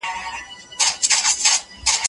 زه به سبا د خپل کلي په جومات کې لمونځ وکړم.